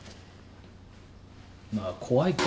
まあ怖いか。